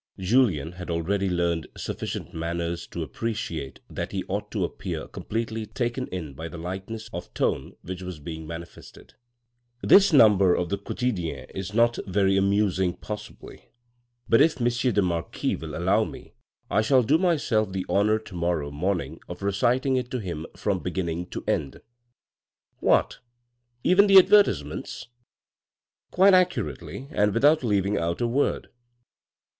Julien had already learned sufficient manners to appreciate that he ought to appear completely taken in by the lightness of tone which was being manifested. " This number of the Quottdienne is not very amusing possibly, but if M. the marquis will allow me, I shall do myself the honour to morrow morning of reciting it to him from beginning to end." "What, even the advertisements?" " Quite accurately and without leaving out a word."